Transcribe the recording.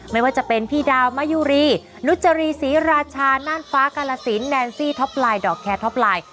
ไม่ว่าจะเป็นพี่ดาวมะยุรีนุจรีศรีราชาน่านฟ้ากาลสินแนนซี่ท็อปไลน์ดอกแคร์ท็อปไลน์